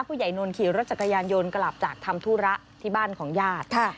นนท์ขี่รถจักรยานยนต์กลับจากทำธุระที่บ้านของญาติ